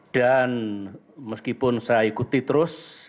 dan meskipun saya ikuti terus